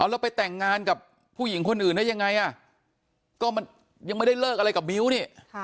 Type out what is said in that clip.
แล้วไปแต่งงานกับผู้หญิงคนอื่นได้ยังไงก็มันยังไม่ได้เลิกอะไรกับมิ้วนี่